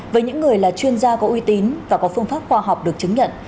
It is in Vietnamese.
với những người là chuyên gia có uy tín và có phương pháp khoa học được chứng nhận